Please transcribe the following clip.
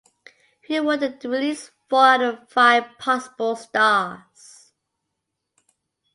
He awarded the release four out of five possible stars.